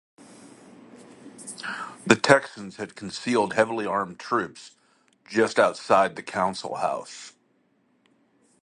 The Texans had concealed heavily armed soldiers just outside the Council House.